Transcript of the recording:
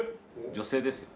女性ですよ。